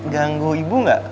ganggu ibu gak